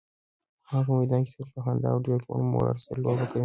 هغه په میدان کې تل په خندا او ډېر لوړ مورال سره لوبه کوي.